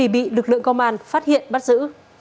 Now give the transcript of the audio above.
bị lực lượng công an phát hiện bắt giữ